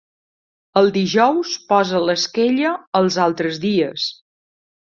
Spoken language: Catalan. El dijous posa l'esquella als tres altres dies.